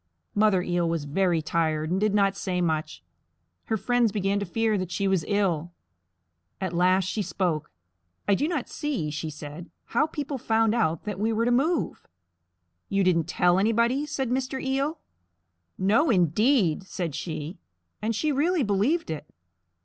Mother Eel was very tired and did not say much. Her friends began to fear that she was ill. At last she spoke, "I do not see," she said, "how people found out that we were to move." "You didn't tell anybody?" said Mr. Eel. "No indeed!" said she; and she really believed it.